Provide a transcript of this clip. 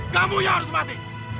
kamu yang harus mati